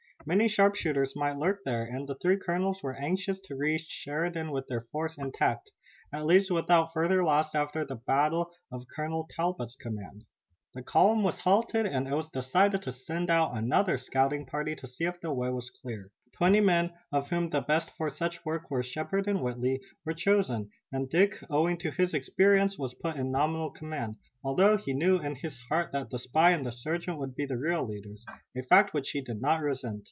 Many sharpshooters might lurk there, and the three colonels were anxious to reach Sheridan with their force intact, at least without further loss after the battle with Colonel Talbot's command. The column was halted and it was decided to send out another scouting party to see if the way was clear. Twenty men, of whom the best for such work were Shepard and Whitley, were chosen, and Dick, owing to his experience, was put in nominal command, although he knew in his heart that the spy and the sergeant would be the real leaders, a fact which he did not resent.